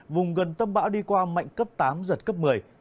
vùng gần tâm bão đi qua mạnh cấp tám giật cấp một mươi